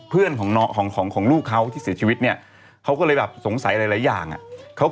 เออเอาลงป่าไปเธอเอาออกไปหน่อยปุ๊บเอ้า